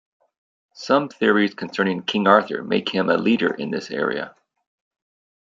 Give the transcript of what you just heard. Some theories concerning King Arthur make him a leader in this area.